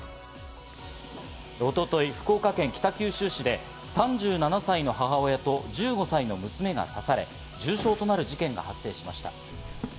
一昨日、福岡県北九州市で３７歳の母親と１５歳の娘が刺され、重傷となる事件が発生しました。